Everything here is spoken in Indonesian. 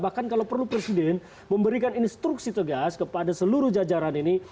bahkan kalau perlu presiden memberikan instruksi tegas kepada seluruh jajaran ini